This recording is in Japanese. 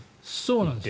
そうなんです。